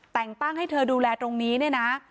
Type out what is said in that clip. แต่งตั้งให้เธอดูแลตรงนี้เนี่ยนะ